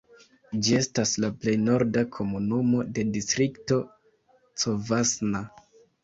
Ĝi estas la plej norda komunumo de distrikto Covasna.